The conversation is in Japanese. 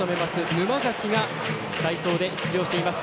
沼崎が代走で出場しています。